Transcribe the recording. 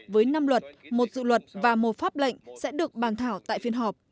với năm luật một dự luật và một pháp lệnh sẽ được bàn thảo tại phiên họp